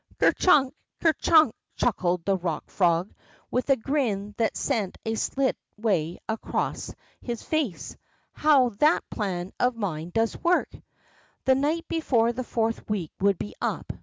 Ker chunk ! Ker chunk !'' chuckled the Rock Frog with a grin that sent a slit way across bis face, how that plan of mine does work 1 '' The night before the fourth week would be up.